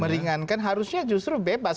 meringankan harusnya justru bebas